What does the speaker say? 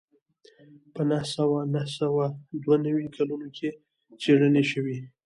په نهه سوه نهه سوه دوه نوي کلونو کې څېړنې شوې